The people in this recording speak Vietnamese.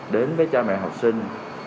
đến với cha mẹ học sinh